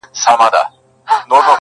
o سرې سرې سترګي هیبتناکه کوټه سپی ؤ,